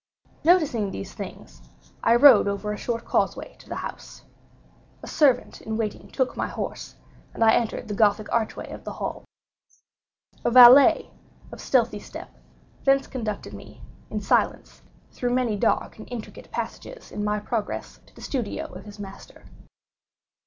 Noticing these things, I rode over a short causeway to the house. A servant in waiting took my horse, and I entered the Gothic archway of the hall. A valet, of stealthy step, thence conducted me, in silence, through many dark and intricate passages in my progress to the studio of his master.